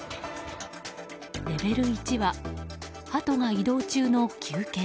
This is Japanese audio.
レベル１は、ハトが移動中の休憩